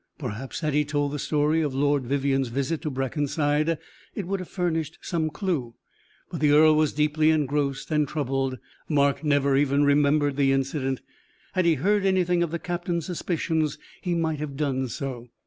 Perhaps had he told the story of Lord Vivianne's visit to Brackenside, it would have furnished some clew; but the earl was deeply engrossed and troubled. Mark never even remembered the incident. Had he heard anything of the captain's suspicions, he might have done so.